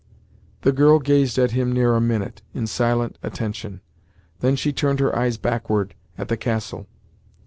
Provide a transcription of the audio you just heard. The girl gazed at him near a minute, in silent attention; then she turned her eyes backward, at the castle.